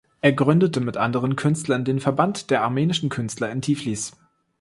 Er gründete mit anderen Künstlern den „Verband der armenischen Künstler in Tiflis“.